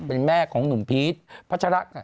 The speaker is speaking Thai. เป็นแม่ของหนุ่มพีทพระชะละ